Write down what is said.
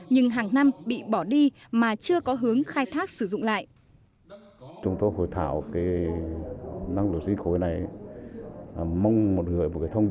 nhưng hàng năm bị bỏ đi mà chưa có năng lượng